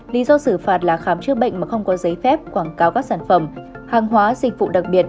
lý do xử phạt là khám chữa bệnh mà không có giấy phép quảng cáo các sản phẩm hàng hóa dịch vụ đặc biệt